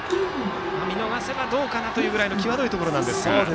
見逃せばどうかなという際どいところでした。